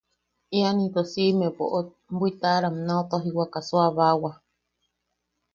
Ian into siʼime boʼot bwitaʼaram nau tojiwaka suʼabaawa.